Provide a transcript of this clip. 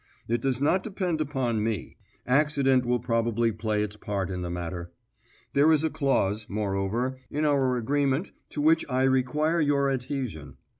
It does not depend upon me; accident will probably play its part in the matter. There is a clause, moreover, in our agreement to which I require your adhesion.